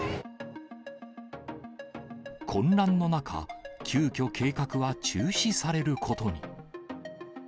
混乱の中、急きょ、計画は中止されることに。